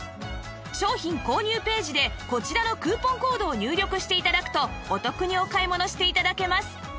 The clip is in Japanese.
商品購入ページでこちらのクーポンコードを入力して頂くとお得にお買い物して頂けます